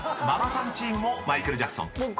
［ママさんチームもマイケル・ジャクソン］